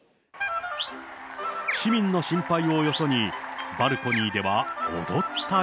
市民の心配をよそに、バルコニーでは踊ったり。